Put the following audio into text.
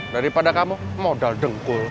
daripada kamu modal dengkul